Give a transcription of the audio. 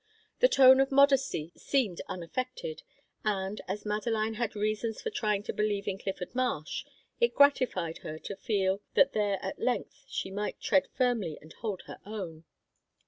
The tone of modesty seemed unaffected, and, as Madeline had reasons for trying to believe in Clifford Marsh, it gratified her to feel that here at length she might tread firmly and hold her own.